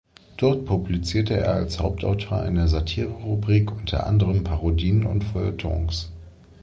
Dort publizierte er als Hauptautor einer Satire-Rubrik unter anderem Parodien und Feuilletons.